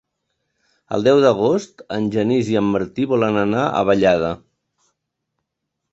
El deu d'agost en Genís i en Martí volen anar a Vallada.